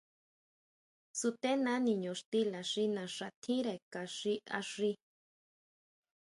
Sutena niño xtila xi naxa tjínre ka xi axí.